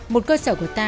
một cơ sở của ta